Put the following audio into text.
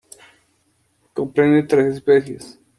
Comprende tres especies.